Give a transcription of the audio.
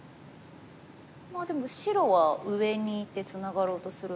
まあでも白は上にいってツナがろうとするんですかね。